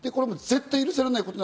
絶対許されないこと。